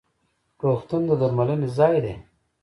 روغتون د درملنې ځای دی